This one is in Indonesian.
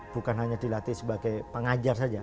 bukan hanya dilatih sebagai pengajar saja